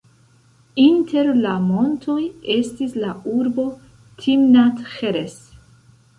Inter la montoj estis la urbo Timnat-Ĥeres.